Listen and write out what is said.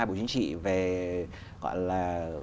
bộ chính trị về gọi là